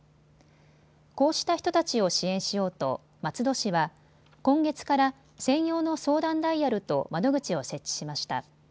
こうした人たちを支援しようと松戸市は今月から専用の相談ダイヤルと窓口を設置しました。